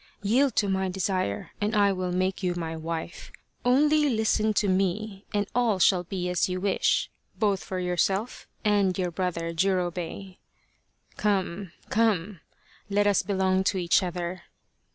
Yield to my desire and I will make you my wife. Only listen to me, and all shall be as you wish both for yourself and your brother, Jurobei. Come, come ! Let us belong to each other